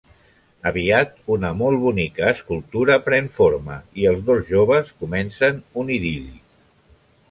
Aviat una molt bonica escultura pren forma i els dos joves comencen un idil·li.